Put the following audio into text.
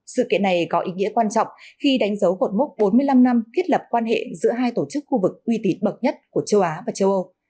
sự kiện này có ý nghĩa quan trọng khi đánh dấu cột mốc bốn mươi năm năm thiết lập quan hệ giữa hai tổ chức khu vực uy tín bậc nhất của châu á và châu âu